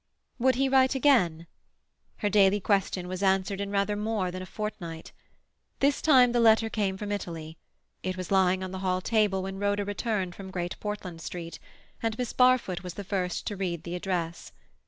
Would he write again? Her daily question was answered in rather more than a fortnight. This time the letter came from Italy; it was lying on the hall table when Rhoda returned from Great Portland Street, and Miss Barfoot was the first to read the address.